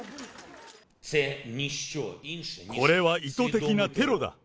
これは意図的なテロだ。